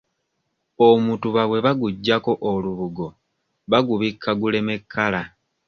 Omutuba bwe baguggyako olubugo bagubikka guleme kkala.